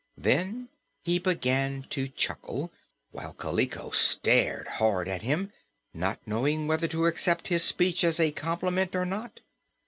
Then he began to chuckle, while Kaliko stared hard at him, not knowing whether to accept his speech as a compliment or not.